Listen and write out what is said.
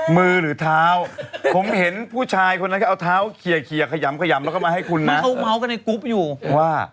พูดเมาส์กันในกรุ๊ปอยู่ว่า